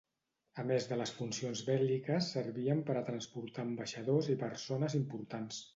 A més de les funcions bèl·liques servien per a transportar ambaixadors i persones importants.